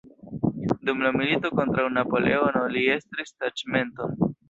Dum la milito kontraŭ Napoleono li estris taĉmenton.